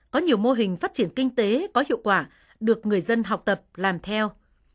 có nhiều mô hình phát triển kinh tế có hiệu quả được người dân học tập làm theo